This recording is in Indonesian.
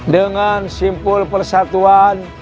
dengan simpul persatuan